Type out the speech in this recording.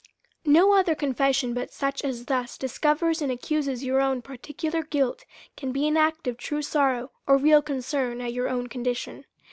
No other confession, but such as thus discovers and accuses your own particular guilt, can be an act of true sorrow or real concern at your own condition.